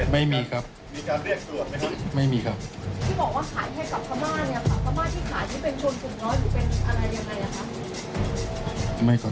ไม่มีครับไม่มีครับมีการเรียกตรวจไหมครับไม่มีครับ